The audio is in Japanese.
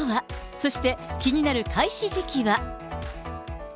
そして、気になる開始時期は。